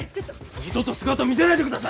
二度と姿を見せないでください！